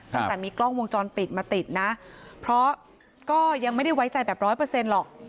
ตั้งแต่มีกล้องวงจรปิดมาติดนะเพราะก็ยังไม่ได้ไว้ใจแบบร้อยเปอร์เซ็นต์หรอก